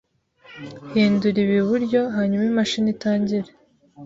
Hindura ibi iburyo, hanyuma imashini itangire